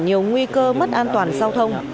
nhiều nguy cơ mất an toàn giao thông